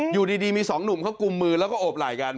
อยู่ดีมีสองหนุ่มเขากุมมือแล้วก็โอบไหล่กัน